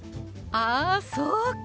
あそうか！